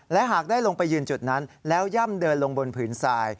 และหากได้ลงไปยืนจุดนั้นแล้วย่ำเดินลงบนผืนทราย